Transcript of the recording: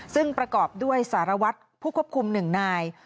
ซึ่งประกอบด้วยสารวัตรผู้ควบคุม๑นาย